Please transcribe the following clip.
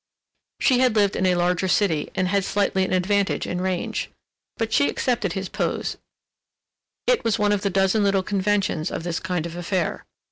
She had lived in a larger city and had slightly an advantage in range. But she accepted his pose—it was one of the dozen little conventions of this kind of affair.